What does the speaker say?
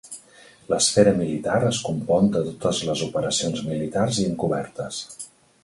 L'esfera militar es compon de totes les operacions militars i encobertes.